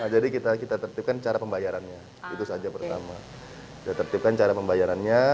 jadi kita tertipkan cara pembayarannya itu saja pertama tertipkan cara pembayarannya